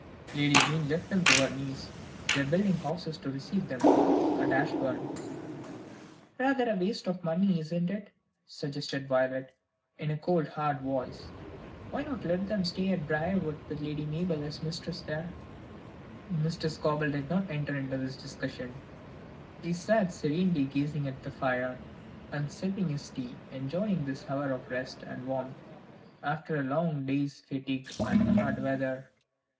"Lady Jane left them to her niece. They are building houses to receive them at Ashbourne." "Rather a waste of money, isn't it?" suggested Violet, in a cold hard voice. "Why not let them stay at Briarwood till Lady Mabel is mistress there?" Mr. Scobel did not enter into this discussion. He sat serenely gazing at the fire, and sipping his tea, enjoying this hour of rest and warmth after a long day's fatigue and hard weather.